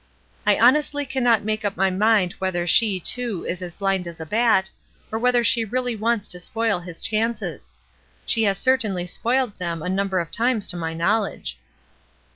I honestly cannot make up my mind whether she, too, is as blind as a bat, or whether she really wants to spoil his chances. She has certainly spoiled them a number of times to my knowledge."